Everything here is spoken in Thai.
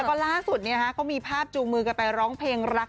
แล้วก็ล่าสุดก็มีภาพจูงมือกันไปร้องเพลงรัก